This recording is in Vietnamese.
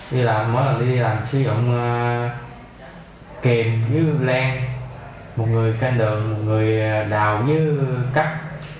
đi làm mới là đi làm sử dụng kềm như len một người canh đường một người đào như cắt